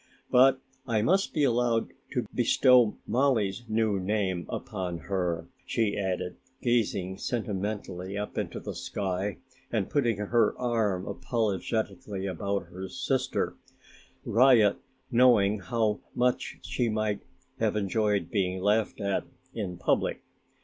But I must be allowed to bestow Mollie's new name upon her," she added, gazing sentimentally up into the sky and putting her arm apologetically about her sister, riot knowing how much she might have enjoyed being laughed at in public.